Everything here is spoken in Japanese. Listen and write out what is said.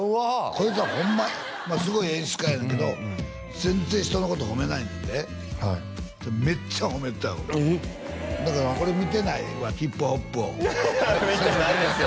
こいつはホンマまあすごい演出家やねんけど全然人のこと褒めないねんではいメッチャ褒めてたよえっだからこれ見てないわヒップホップを見てないですよ